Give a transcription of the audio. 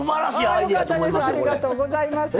ありがとうございます。